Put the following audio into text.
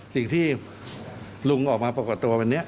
สิ่งที่ลุงออกมาปรากฏตัววันนี้